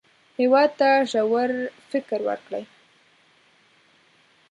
هېواد ته ژور فکر ورکړئ